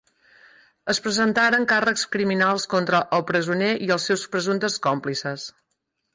Es presentaren càrrecs criminals contra el presoner i els seus presumptes còmplices.